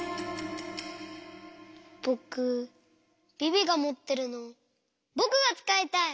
ぼくビビがもってるのぼくがつかいたい！